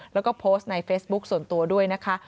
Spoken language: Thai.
แล้วก็โพสต์ในเฟซบุ๊คส่วนตัวด้วยนะคะ